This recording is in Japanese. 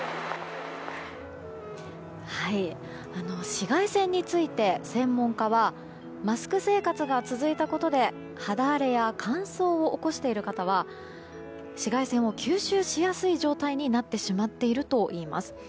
紫外線について専門家はマスク生活が続いたことで肌荒れや乾燥を起こしている方は紫外線を吸収しやすい状態になってしまっているといいます。